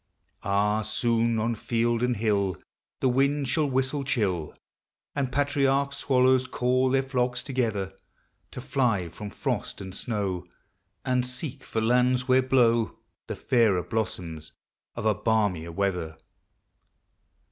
Ah, soon on Held and hill The wind shall whistle chill, And patriarch swallows call their flocks together, To fly from frost and snow, And seek for lands where blow The fairer blossoms of a balmier weather.